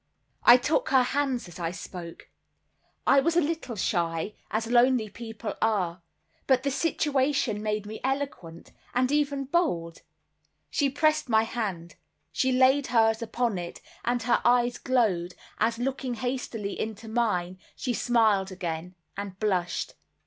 I took her hand as I spoke. I was a little shy, as lonely people are, but the situation made me eloquent, and even bold. She pressed my hand, she laid hers upon it, and her eyes glowed, as, looking hastily into mine, she smiled again, and blushed.